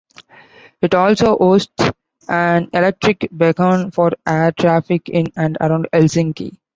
It also hosts an electric beacon for air traffic in and around Helsinki.